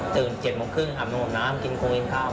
ตื่น๗โมงครึ่งอาบน้ำหมดน้ำกินโครงกินขาว